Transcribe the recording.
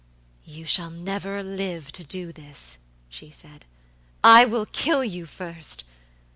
"You shall never live to do this," she said. "I will kill you first.